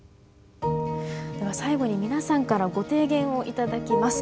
では最後に皆さんからご提言を頂きます。